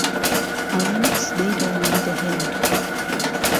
ئەوان سبەی بەیانی دەهێن